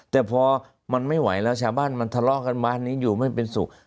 แต่พอมันไม่ไหวแล้วชาวบ้านมันทะเลาะกันบ้านนี้อยู่ไม่เป็นสุข